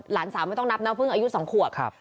หลานสามไม่ต้องนับหน้าพึ่งอายุสองขวบ